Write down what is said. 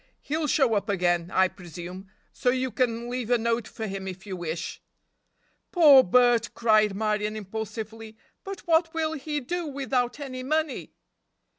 He'll show up again, I presume, so you can leave a note for him if you wish." "Poor Bert!" cried Marion impulsively, "but what will he do without any money?"